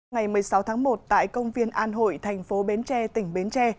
ngày một mươi sáu tháng một tại công viên an hội thành phố bến tre tỉnh bến tre